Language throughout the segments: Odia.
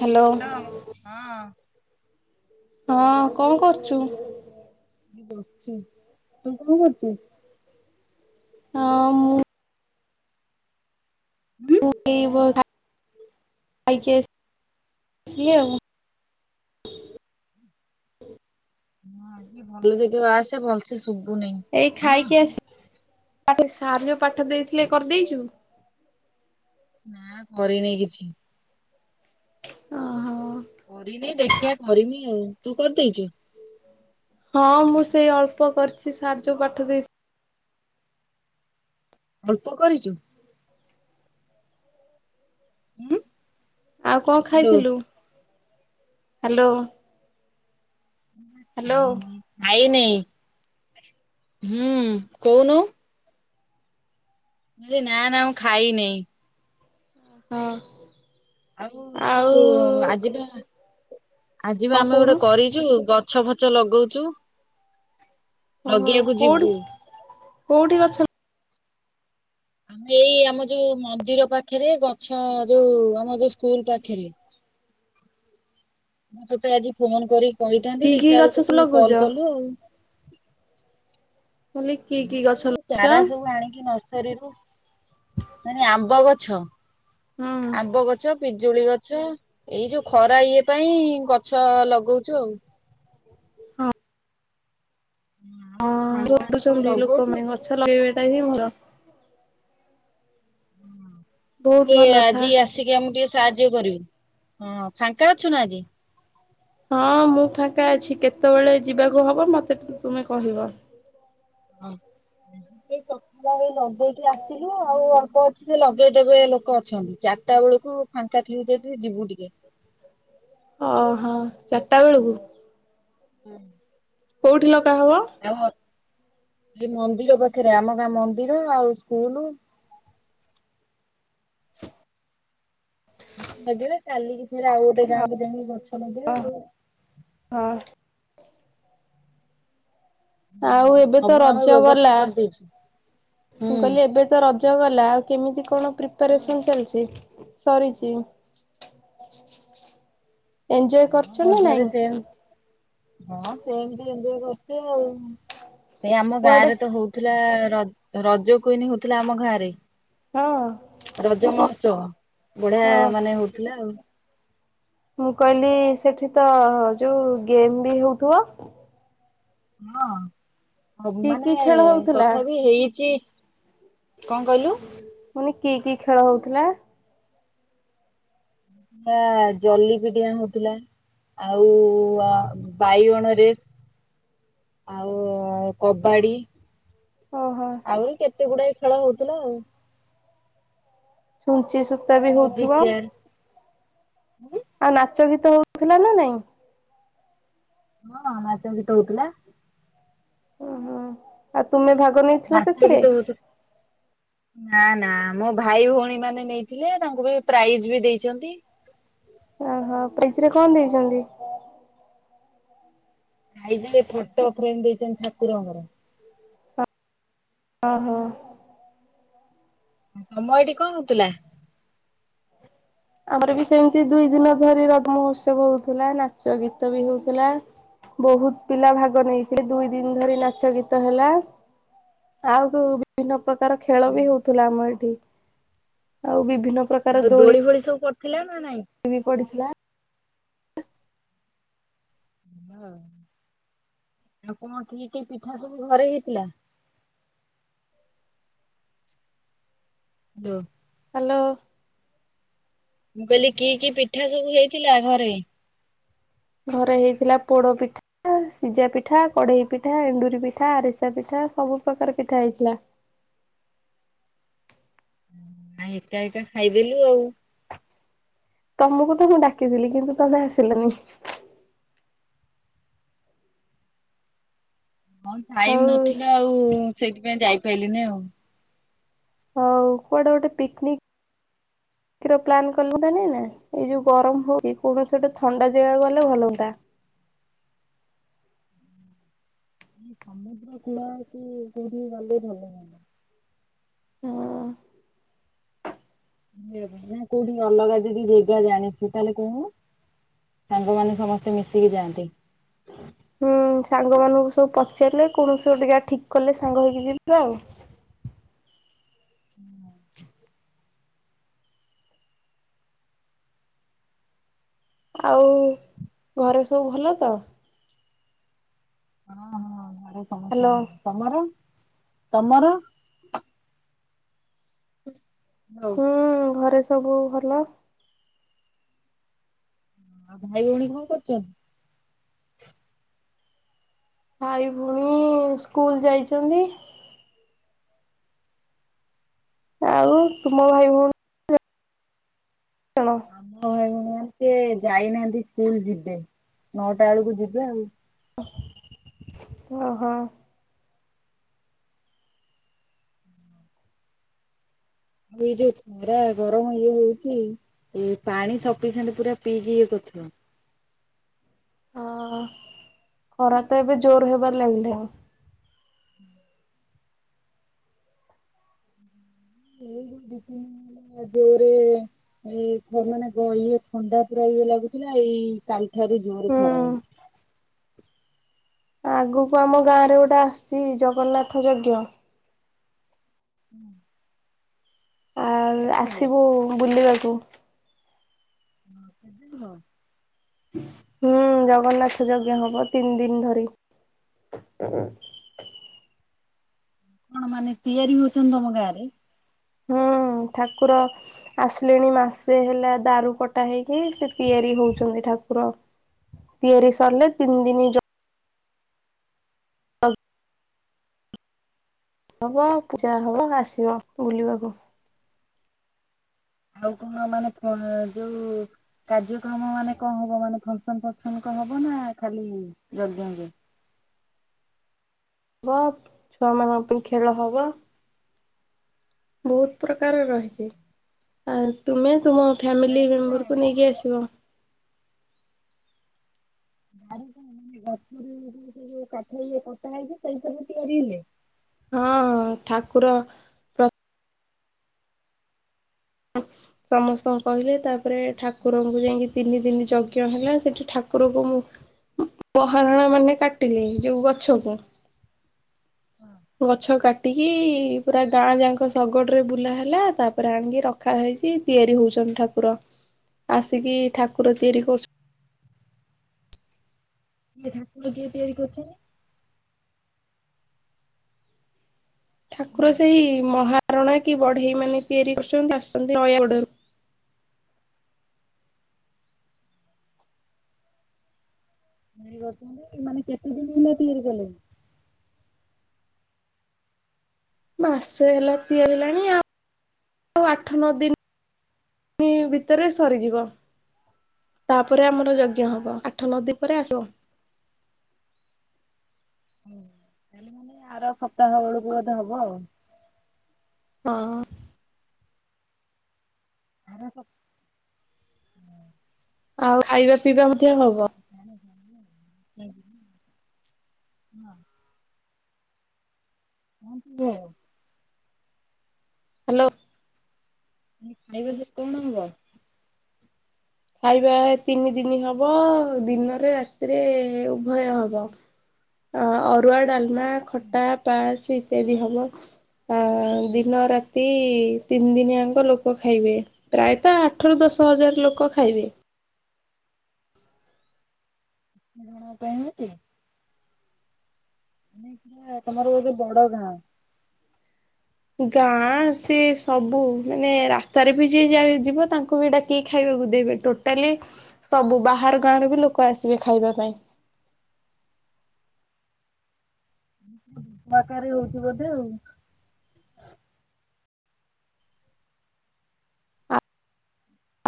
ହାଲୋ। ହଁ। ହଁ କଣ୍ କରୁଚୁ? ବସଚି ତୁ କଣ କରଚୁ? ହଁ ମୁଁ [inaudible] ଭଲ ଜାଗା କୁ ଆସେ ଭଲସେ ଶୁବୁନି। ଏ ଖାଇକି ଆସି ସାର୍ ଯଉ ପାଠ ଦେଇଥିଲେ କରଦେଇଚୁ? ନା କରିନେଇଁ କିଛି। ଓହୋ। କରିନି ଦେଖିଆ କରିମି ଆଉ ତୁ କରିଦେଇଚୁ? ହଁ ମୁଁ ସେଇ ଅଳ୍ପ କରିଚି ସାର୍ ଯଉ ପାଠ ଦେଇ ଅଳ୍ପ କରିଚୁ? ଉଁ। ଆଉ କଣ୍ ଖାଇଥିଲୁ ହାଲୋ। ଖାଇନି ହୁଁ କହୁନୁ। କହିଲି ନା- ନା ମୁଁ ଖାଇନେଇଁ। ଅ ହ। ଆଉ ଯଉ ଆଜିି ବା ଆଜି ବା କଣ ଆମେ ଗୋଟେ କହୁନୁ? କରିଚୁ ଗଛ ଫଛ ଲଗଉଚୁ। ଓହୋ ଲଗେଇବାକୁ କୋଉଠି ଯିବୁ। କୋଉଠି ଗଛ ଆମେ ଏଇ ଆମ ଯୋଉ ମନ୍ଦିର ପାଖେରେ ଗଛ ଯୋଉ ଆମ ଯୋଉ ସ୍କୁଲ ପାଖେରେ। ମୁଁ ତୋତେ ଆଜି ଫୋନ କରିିକ କି କହିଥାନ୍ତି କି ଦେଖିଲା ଗଛ ବେଳକୁ ସବୁ ତୁ ଲଗଉଛ? କଲ କଲୁ ଆଉ। ମୁଁ କହିଲି କି କି ଏଇ ଗଛ ଯୋଉ ଲଗଉଛ? ଚାରା ସବୁ ଆଣିକି ନ ସାରିବୁ ମାନେ ଆମ୍ବ ଗଛ ହୁଁ ଆମ୍ବ ଗ ଛ ପିଜୁଳି ଗଛ ଏଇ ଯୋଉ ଖରା ଇଏ ପାଇଁ ଗଛ ଲଗଉଛୁ ଆଉ। ହଁ। ଆଉ ହଁ ସବୁ ସାଙ୍ଗମାନେ [unintelligible] ସବୁ ନ୍ତି ଲୋକ ଲଗଉଛୁ ପାଇଁ ଗଛ ଲଗେଇବାଟା ହିଁ ଭଲ। ବହୁତ ଯେ ଭଲ କଥା। ଆଜି ଆସିକି ଆମକୁ ଟିକେ ସାହାଯ୍ୟ କରିବି ହଁ ଫାଙ୍କା ଅଛୁ ନା ଆଜି। ହଁ ମୁଁ ଫାଙ୍କା ଅଛି କେତେବେଳେ ଯିବାକୁ ହବ ମତେ ଟିକେ ତୁମେ କହିବ। ହଁ ସେଇ ସଖାଳେ ନଗେଇକି ଆ ଥିଲୁ ଆଉ ଅଳ୍ପ ଅଛି ସେ ଲଗେଇଦେବେ ଲୋକ ଅଛନ୍ତି ଚାରିଟା ବେଳକୁ ଫାଙ୍କା ଥିବୁ ଯଦି ଯିବୁ ଟିକେ। ଓହଁ ଚାରିଟା ବେଳକୁ। ହୁଁ। କୋଉଠି ଲଗା ହବ। ଆଉ ଅଲି ମନ୍ଦିର ପାଖରେ ଆମ ଗାଁ ମନ୍ଦିର ଆଉ ସ୍କୁଲ। ଗଛ ଲଗେଇବେ କାଲିକି ଫେରେ ଆଉ ଗୋଟେ ଗାଁକୁ ଯାଇକି ଗଛ ଲଗେଇବା ଆଉ। ହଁ। ଆଉ ହୁଁ ଏବେ ତ ସବୁ ଆମେ ରଜ ବ୍ୟବସ୍ଥା ଗଲା। କରିଦେଇଛୁ। ମୁଁ ହୁଁ। କହିଲି ଏବେ ତ ରଜ ଗଲା ଆଉ କେମିତି କଣ ହୁଁ। ପ୍ରିପାରେସନ ଚାଲିଛି। ଇ ସରିଛି। ଏଞ୍ଜୟ ହଁ କରୁଛ ନା ମଜାରେ ନାଇଁ ସେମ ହଁ ସେମତି ଏମିତିଆ କରିଥିବେ ଆଉ। ଏଇ ଆମ ଗାଁ କୁଆଡେ ରେ ତ ହଉଥିଲା ର ରଜ କୁଇନି ହଉଥିଲା ଆମ ଗାଁ ରେ। ହଁ। ରଜମହସ୍ଚବ ବଢିଆ ହଁ ମାନେ ହଉଥିଲା ଆଉ। ମୁଁ କହିଲି ସେଠି ତ ଯୋଉ ଗେମ୍ ବି ହଉଥିବ। ହଁ କି କି ମାନେ ଖେଳ ହଉଥିଲା? ତଥାପି ହେଇଛି। କଁ କହିଲୁ। ମୁନି କି କି ଖେଳ ହଉଥିଲା। ପା ଜଲିପିଡିଆ ହୋଉଥିଲା। ଆଉ ଆ ବାଇଗଣ ରେ ଆଉ କବାଡ଼ି। ଓହୋ। ଆହୁରି କେତେ ଗୁଡାଏ ଖେଳ ହଉଥିଲା ଆଉ। ଛୁଞ୍ଚି ସୂତା ବି ମ୍ୟୁଜିକ୍ ହଉଥିବ। ଚେୟାର ହଁ ଆଉ ନାଚ ଗୀତ ହଉଥିଲା ନା ନାଇଁ। ହଁ ନାଚ ଗୀତ ହଉଥିଲା। ଓହୋ ଆଉ ତୁମେ ଭାଗ ନେଇଥିଲ ନାଚ ସେଥିରେ। ଗୀତ ହଉଥିଲା। ନା ନା ଆମ ଭାଇ ଭଉଣୀ ମାନେ ନେଇଥିଲେ ତାଙ୍କୁ ବି ପ୍ରାଇଜ ବି ଦେଇଛନ୍ତି। ଓହୋ ପିଇସି ରେ କଣ ଦେଇଛନ୍ତି। ଖାଇ ଦେଲେ ଫୋଟୋ ଫ୍ରେମ ଦିଟା ଠାକୁରଙ୍କର। ଓ ହୋ। ତମ ଏଠି କଣ ହଉଥିଲା। ଆମର ବି ସେମିତି ଦୁଇ ଦିନ ଧରି ରଜ ମହୋତ୍ସବ ହଉଥିଲା ନାଚ ଗୀତ ବି ହଉଥିଲା। ବହୁତ ପିଲା ଭାଗ ନେଇଥିଲେ ଦୁଇ ଦିନ ଧରି ନାଚ ଗୀତ ହେଲା। ନା ଆଉ କୋଉ ବିଭିନ୍ନ ପ୍ରକାର ଖେଳ ବି ହଉଥିଲା ଆମ ଏଠି। ଆଉ ବିଭିନ୍ନ ଆଉ ଦୋଳି ଫୋଳି ସବୁ ପଡିଥିଲା ନା ନାଇଁ। ଳି ପଡିଥିଲା। ହଁ, ଆଉ କଣ କି-କି ପିଠା ସବୁ ଘରେ ହେଇଥିଲା? ଯୋଉ ହ୍ୟାଲୋ। ମୁଁ କହିଲି କି-କି ପିଠା ସବୁ ହେଇଥିଲା ଘରେ? ଘରେ ହେଇଥିଲା ପୋଡ ପିଠ୍ ଏ ସିଝା ପିଠା, କଡେଇ ପିଠା, ଏଣ୍ଡୁରି ପିଠା, ଆରିସା ପିଠା ସବୁ ପ୍ରକାର ପିଠା ହେଇଥିଲା। ଆ ଏକା ଏକା ଖାଇଦେଲୁ ଆଉ। ତମକୁ ତ ମୁଁ ଡାକିଥିଲି କିନ୍ତୁ ତମେ ଆସିଲାନି। ହଁ ଟାଇମ୍ ଆଉ ନଥିଲା ଆଉ ସେଇଥିପାଇଁ ଯାଇପାଇଲିନି ଆଉ। ହଉ, କୁଆଡେ ଗୋଟେ ପିକନିକ୍ ର ପ୍ଲାନ୍ କଲେ ହଅନ୍ତାନିନା? ଏଇ ଯୋଉ ଗରମ ହଉଚି, କୌଣସି ଗୋଟେ ଥଣ୍ଡା ଜାଗାକୁ ଗଲେ ଭଲ ହୁଅନ୍ତା। ହୁଁ ସମୁଦ୍ର କୂଳ ଆଡକୁ ପୁରୀ ଗଲେ ଭଲ ହୁଅନ୍ତା। ହଁ। [inaudible] ନା କୋଉଠି ଅଲଗା ଯଦି ଜେଗା ଜାଣିଛୁ ତାହେଲେ କହୁନୁ। ସାଙ୍ଗମାନେ ସମସ୍ତେ ମିଶିକି ଯାଆନ୍ତି। ହୁଁ, ସାଙ୍ଗମାନଙ୍କୁ ସବୁ ପଚାରିଲେ, କୌଣସି ଗୋଟେ ଜାଗା ଠିକ୍ କଲେ ସାଙ୍ଗ ହେଇକି ଯିବା ଆଉ। ହୁଁ। ଆଉ-ଉ, ଘରେ ସବୁ ଭଲ ତ? ହଁ-ହଁ ଘରେ ସମସ୍ତେ ହ୍ୟାଲୋ ଭଲ, ତମର ତମର? ହଁ। ହୁଁ ଘରେ ସବୁ ଭଲ। ଆଉ ଭାଇ ଭଉଣୀ କଣ କରୁଚନ୍ତି? ଭାଇ ଭଉଣୀ ସ୍କୁଲ ଯାଇଚନ୍ତି। ଆଉ ତୁମ ଭାଇ ଭଉଣୀ? ହ୍ୟାଲୋ। ଆମ ଭାଇ ଭଉଣୀମାନେ ସେ ଯାଇନାହାନ୍ତି ସ୍କୁଲ ଯିବେ, ନଅଟା ବେଳକୁ ଯିବେ ଆଉ। ଓହୋଃ। ଏଇ ଯୋଉ ଖରା ଗରମ ଯୋଉ ହଉଚି ଏଇ ପାଣି ସଫିସିଏଣ୍ଟ ପୁରା ପିଇକି ଇଏ କରୁଥିବ। ହଁଅ-ଅ ଖରା ତ ଏବେ ଜୋର ହେବାର ଲାଗିଲାଣି। ଏଇଠି ଦି‌ ତିନି ଦିନ ହେଲା ଜୋରରେ [inaudible] [inaudible] ମାନେ ଇଏ ଥଣ୍ଡା ପୁରା ଇଏ ଲାଗୁଥିଲା, ଏଇ କାଲି ଠାରୁ ଜୋରରେ ଖରା ହୁଁ। ହଉଛି। ଆଗକୁ ଆମ ଗାଆଁରେ ଗୋଟେ ଆସୁଚି ଜଗନ୍ନାଥ ଯଜ୍ଞ। ହୁଁ। ଆଉ ହବ ଆସିବୁ ବୁଲିବାକୁ। ହୁଁ [inaudible] ହୁଁ-ଉଁ-ଉଁ ଜଗନ୍ନାଥ ଯଜ୍ଞ ହବ ତିନି ଦିନ ଧରି। କଣ ମାନେ ତିଆରି ହଉଚନ୍ତି ତମ ଗାଆଁରେ? ହୁଁ-ଉ-ଉ ଠାକୁର ଆସିଲେଣି ମାସେ ହେଲା ଦାରୁ କଟା ହେଇକି, ସେ ତିଆରି ହଉଛନ୍ତି ଠାକୁର। ତିଆରି ସରିଲେ ତିନି ଦିନି ଯ ହବ ପୂଜା ହବ ଆସିବ ବୁଲିବାକୁ। ଆଉ କଣ ମାନେ ଫୋନରେ ଯୋଉ କାର୍ଯ୍ୟକ୍ରମ ମାନେ କଣ ହବ ମାନେ ଫଙ୍କସନ-ଫଙ୍କସନ କଣ ହବ ନା ଖାଲି ଯଜ୍ଞ ଯୋଉ ହବ, ଛୁଆମାନଙ୍କ ପାଇଁ ଖେଳ ହବ। ବହୁତ ପ୍ରକାର ରହିଛି, ଆଉ ତୁମେ ତୁମ ଫ୍ୟାମିଲି ଦାରୁ କଣ ମେମ୍ବରକୁ ନେଇକି ଆସିବ। ଦାରୁ କଁ ମାନ ଗଛୁର ଯୋଉ ସେଇ ଯୋଉ କାଠ ଇଏ କଟା ହେଇକି ସେଇଥୀରେ ସବୁ ତିଆରି ହୁଏ। ହଁ ଠାକୁର। ପ୍ର [inaudible] ସମସ୍ତଙ୍କୁ କହିଲେ, ତାପରେ ଠାକୁରଙ୍କୁ ଯାଇକି ତିନି ତିନି ଯଜ୍ଞ ହେଲା ସେଠି ଠାକୁରଙ୍କ ମୁ ମହାରଣା ମାନେ କାଟିଲେ ଯୋଉ ଗଛକୁ। ଗଛ କାଟିକି ପୁରା ଗାଁ ଯାଙ୍କ ଶଗଡ ରେ ବୁଲା ହେଲା ତାପରେ ଆଣିକି ରଖ। ରଖା ହେଇଛି ତିଆରି ହଉଛନ୍ତି ଠାକୁର ଆସିକି ଠାକୁର ତିଆରି କରୁଛ କିଏ ଠାକୁର କିଏ ତିଆରି କରିୁଛନ୍ତି। ଠାକୁର ସେଇ ମହାରଣା କି ବଢେଇ ମାନେ ତିଆରି କରୁଛନ୍ତି ଆସିଛନ୍ତି ନୟା ଗଡରୁ। ତିଆରି କରୁଛନ୍ତି ଯେ ଏମାନେ କେତେ ଦିନ ହେଲା ତିଆରି କଲେଣି‌। ମାସେ ହେଲା ତିଆରି ହେଲାଣି ଆଉ ଆଉ ଆଠ ନଅ ଦିନ। ନ ଭିତରେ ସରିଯିବ। ତାପରେ ଆମର ଯଜ୍ଞ ହବ ଆଠ ନ ଦିନ ପରେ ଆସିବ। ସେ ଆର ସପ୍ତାହ ବେଳକୁ ବୋଧେ ହବ ଆଉ। ହଁ। ଆର ସପ୍ ଆଉ ଖାଇବା ପିଇବା ମଧ୍ୟ ହବ। [inaudible] କଁ ସବୁ ହବ। ହାଲୋ। ମୁଁ କହିଲି ଖାଇବା କୁ କଣ ହବ। ଖାଇବା ତିନି ଦିନି ହବ ଦିନରେ ରାତିରେ ଉଭୟ ହବ। ଆଁ ଅରୁଆ, ଡାଲମା, ଖଟା, ପାସ୍ ଇତ୍ୟାଦି ହବ। ଅଁ ଦିନ ରାତି ତିନି ଦିନିଆଙ୍କ ଲୋକ ଖାଇବେ। ପ୍ରାୟତ ଆଠରୁ ଦଶ ହଜାର ଲୋକ ଖାଇବେ। ସୁଭଶ୍ରି ମ୍ୟାଡାମ ଆଉ ଫୋନ୍ କରିଥିଲେ। ମାନେ ପୁରା ତମର ବୋଧେ ବଡ ଗାଁ। ଗାଁ ସିଏ ସବୁ ମାନେ ରାସ୍ତାରେ ବି ଯିଏ ଯାଏ ଯିବ ତାଙ୍କୁ ବି ଡାକି ଖାଇବାକୁ ଦେବେ। ଟୋଟାଲି ସବୁ ବାହାର ଗାଁରୁ ବି ଲୋକ ଆସିବେ ଖାଇବା ପାଇଁ। ବହୁତ ବଡ଼ ଆକାରରେ ହଉଛି ବୋଧେ ଆଉ।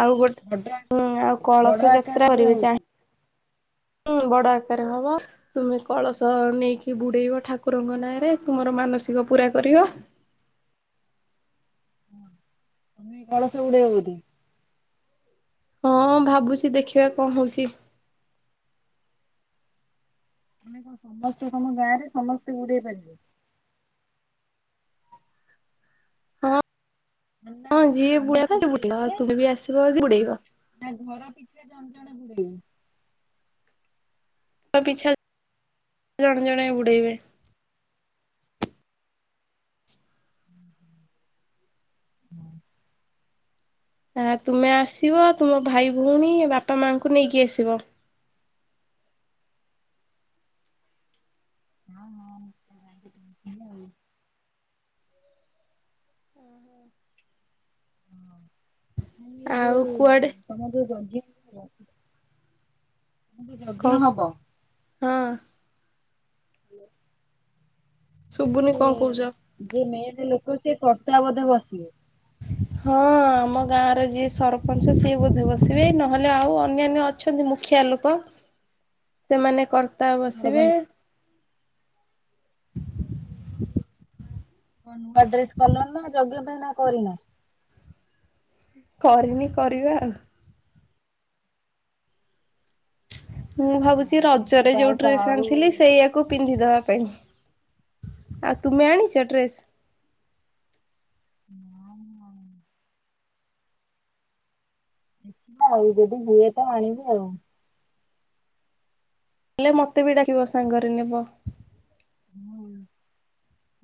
ଆଉ ବଡ ଗୋଟେ ହୁଁ ଆଉ ବଡ କଳସ ଆକାରରେ ଯାତ୍ରା ପୁରା କରିବେ ହଉଛି। ଚାହିଁ ହୁଁ ବଡ ଆକାରରେ ହବ। ତୁମେ କଳସ ନେଇକି ବୁଡେଇବ ଠାକୁରଙ୍କ ନାଁରେ ତୁମର ମାନସିକ ପୁରା କରିବ। ତୁମେ କଳସ ବୁଡେଇବ ବୋଧେ। ହଁ ହଁ ଭାବୁଛି ଦେଖିବା କଁ ହଉଛି। ମାନେ କଁ ସମସ୍ତେ ତମ ଗାଁରେ ସମସ୍ତେ ବୁଡେଇ ପାରିବେ। ହଁ ମାନେ ନା ହଁ ଯିଏ ବୁଡେଇବା କଥା ସିଏ ବୁଡେଇବ ଆଉ ତୁମେ ବି ଆସିବ ଯଦି ବୁଡେଇବ। ନା ଘର ପିଛା ଜଣେ ଜଣେ ବୁଡେଇବୁ। ଘର ପିଛା ଜଣେ ଜଣେ ବୁଡେଇବେ। ହ ହଁ ଆ ତୁମେ ଆସିବ ତୁମ ଭାଇ ଭଉଣୀ ବାପା ମାଙ୍କୁ ନେଇକି ଆସିବ। [inaudible] ଆଉ କୁଆଡେ ତମର ଯୋଉ ଯଜ୍ଞ ହବ ଯୋଉ କଣ ଯଜ୍ଞ ହବ। ହଁ। [inaudible] ଶୁବୁନି ସେ କଣ କହୁଚ? ଯିଏ ମେନ୍ ଲୋକ ସିଏ କର୍ତ୍ତା ବୋଧେ ବସିବେ? ହଁ। ଆମ ଗାଁର ଯିଏ ସରପଞ୍ଚ ସିଏ ବୋଧେ ବସିବେ। ନହେଲେ ଆଉ ଅନ୍ୟାନ୍ୟ ଅ ଅଛନ୍ତି ମୁଖିଆ ଲୋକ, ସେମାନେ କର୍ତ୍ତା ବସିବେ। କଣ ନୂଆ ଡ୍ରେସ୍ କଲଣି ନା ଯଜ୍ଞ ପାଇଁ ନା କରିନ? କରିନି କରିବା ଆଉ। ମୁଁ ଭାବୁଚି ମୁଁ ରଜରେ ତ ଆଉ ଯୋଉ ସା- ଡ୍ରେସ ଆଉ ଆଣିଥିଲି ସେଇଆକୁ କୁ ପିନ୍ଧିଦବା ପାଇଁ। ଆଉ ତୁମେ ଆଣିଚ ଡ୍ରେସ୍? [unintelligible] ଦେଖିବା ଆଉ ଯଦି ହୁଏ ତ ଆଣିବି ଆଉ। ହେଲେ ମତେ ବି ଡାକିବ ସାଙ୍ଗରେ ନେବ।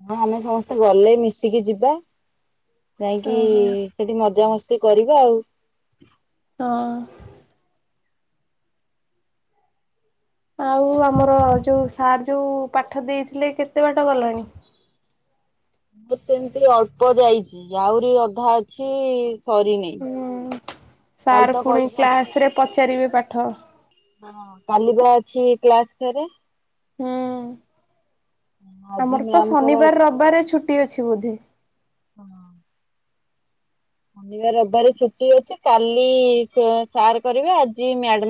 ହଁ ଆମେ ସମସ୍ତେ ଗଲେ ମିଶିକି ଯିବା। ଯାଇଁକି ଓହୋ ହଁ। ସେଠି ମଜାମସ୍ତି କରିବା ଆଉ। ହଁ। ଆଉ ଆମର ଯୋଉ ସାର୍ ଯୋଉ ପାଠ ଦେଇଥିଲେ କେତେ ବାଟ ଗଲାଣି? ଗୋଟେ ଏମତି ଅଳ୍ପ ଯାଇଚି ଆହୁରି ଅଧା ଅଛି ସରିନି। ହୁଁ। କାଲି ସାର୍ ତ ପୁଣି କହିଛନ୍ତି କ୍ଲାସ୍ ରେ ପଚାରିବେ ପାଠ। କାଲିବା ଅଛି କ୍ଲାସ ଫେରେ? ହୁଁ। ଆଜି ଆମର ତ ମ୍ୟାମଙ୍କର ଶନିବାର ରବିବାର ରେ ଛୁଟି ଅଛି ବୋଧେ? ହଁ। ଶନିବାରେ ରବିବାର ଛୁଟି ଅଛି। କାଲି ସାର୍ କରିବେ, ଆଜି ମ୍ୟାଡ଼ାମ